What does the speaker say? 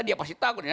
dia pasti takut